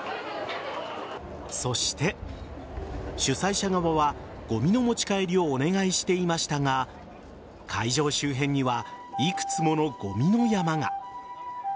そして主催者側は、ゴミの持ち帰りをお願いしていましたが会場周辺にはいくつものごみの山が。